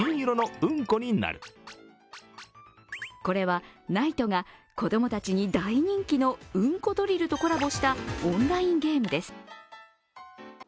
これはＮＩＴＥが子供たちに大人気の「うんこドリル」とコラボしたオンラインゲームです。